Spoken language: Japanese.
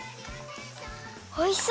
おいしそう！